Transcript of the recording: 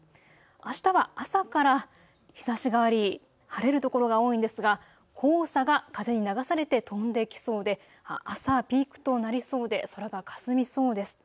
あしたは朝から日ざしがあり晴れる所が多いんですが黄砂が風に流されて飛んできそうで、朝ピークとなりそうで空がかすみそうです。